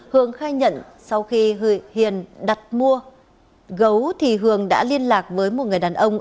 hường khai nhận sau khi hiền đặt mua gấu thì hường đã liên lạc với một người đàn ông